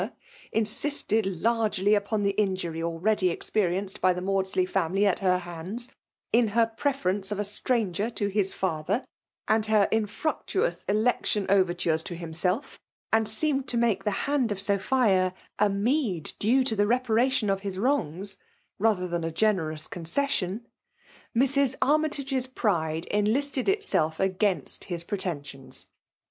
193 licr, insisted largely upon the injury already experienced by the Maudsley family at her hands, in her preference bt a stranger to his ftkthcri and her infructuous election overtures to himself, and seemed to make the hand of Sophia a meed due to the reparation of his wrongs, rather than a generous concession, Mrs. Armytage's pride enlisted itself against his pretensions.